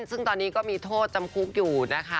ซึ่งตอนนี้ก็มีโทษจำคุกอยู่นะคะ